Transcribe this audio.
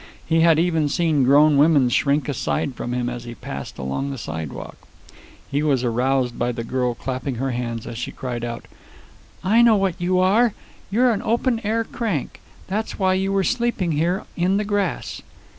He had even seen grown women shrink aside from him as he passed along the sidewalk. He was aroused by the girl clapping her hands as she cried out: "I know what you are! You're an open air crank. That's why you were sleeping here in the grass."